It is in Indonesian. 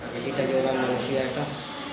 kita juga orang rusia kan